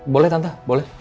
boleh tante boleh